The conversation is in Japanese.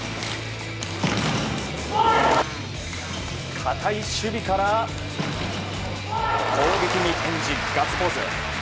堅い守備から攻撃に転じガッツポーズ。